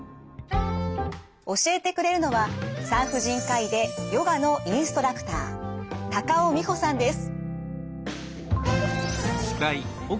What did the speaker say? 教えてくれるのは産婦人科医でヨガのインストラクター高尾美穂さんです。